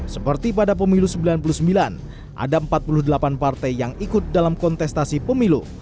seperti pada pemilu seribu sembilan ratus sembilan puluh sembilan ada empat puluh delapan partai yang ikut dalam kontestasi pemilu